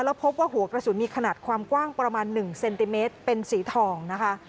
แล้วพบว่าหัวกระสุนมีขนาดความกว้างประมาณ๑เซนติเมตรเป็นสีทองนะคะ